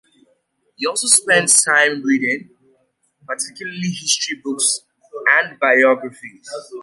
He also spends time reading, particularly history books and biographies.